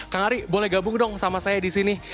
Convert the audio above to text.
kang ari boleh gabung dong sama saya di sini